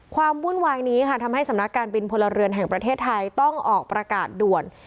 วุ่นวายนี้ค่ะทำให้สำนักการบินพลเรือนแห่งประเทศไทยต้องออกประกาศด่วน